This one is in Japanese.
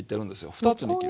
２つに切る。